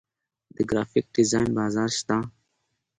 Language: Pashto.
د ګرافیک ډیزاین بازار شته